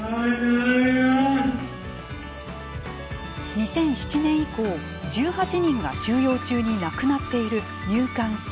２００７年以降１８人が収容中に亡くなっている入管施設。